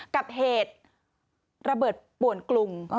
กับเหตุระเบิดป่วนกรุง